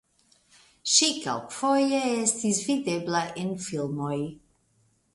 Ŝi kelkfoje estis videbla en filmoj.